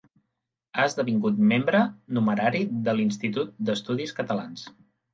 Ha esdevingut membre numerari de l'Institut d'Estudis Catalans.